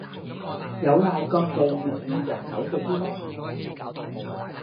有賴各地粵語人口嘅堅持